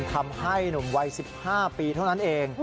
ทำให้หนุ่มวัย๑๕ปีเท่านั้นเอง